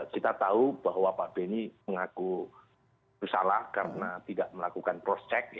kita tahu bahwa pak benny mengaku bersalah karena tidak melakukan cross check